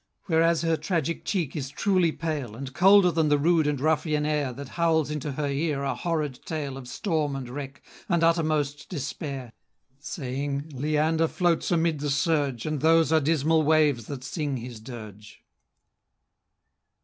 Whereas her tragic cheek is truly pale, And colder than the rude and ruffian air That howls into her ear a horrid tale Of storm and wreck, and uttermost despair, Saying, "Leander floats amid the surge, And those are dismal waves that sing his dirge."